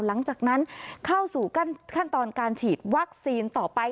หลังจากนั้นเข้าสู่ขั้นตอนการฉีดวัคซีนต่อไป